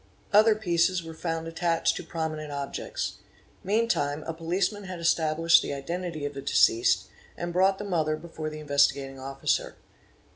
Other pieces were found attached to prominent objects. Meantime a policeman had established the identity of the deceased, and brought the mother before the Investigating Officer.